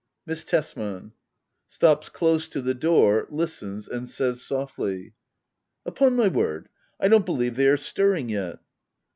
Miss Tesman. [Stops close to the door, listens, and says softly ;] Upon my word, I don't believe they are stirring yet!